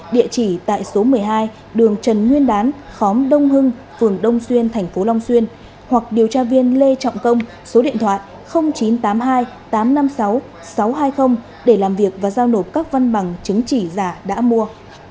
địa chỉ tại số một mươi hai đường trần nguyên đán khóm đông hưng phường đông xuyên thành phố long xuyên hoặc điều tra viên lê trọng công số điện thoại chín trăm tám mươi hai tám trăm năm mươi sáu sáu trăm hai mươi để làm việc và giao nộp các văn bằng chứng chỉ giả đã mua